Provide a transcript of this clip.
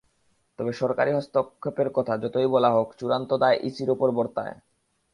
তবে সরকারি হস্তক্ষেপের কথা যতই বলা হোক, চূড়ান্ত দায় ইসির ওপর বর্তায়।